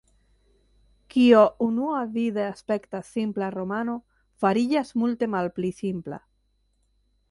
Kio unuavide aspektas simpla romano, fariĝas multe malpli simpla.